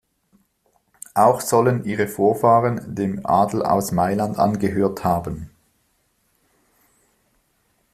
Auch sollen ihre Vorfahren dem Adel aus Mailand angehört haben.